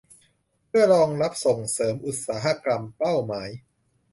เพื่อรองรับส่งเสริมอุตสาหกรรมเป้าหมาย